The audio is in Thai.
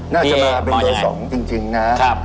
น่าจะมาเป็นวัน๒จริงนะ